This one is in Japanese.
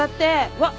うわっ！